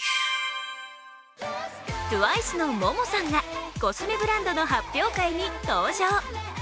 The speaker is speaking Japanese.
ＴＷＩＣＥのＭＯＭＯさんがコスメブランドの発表会に登場。